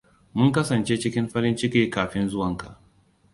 Mun kasance cikin farin ciki kafin zuwanka.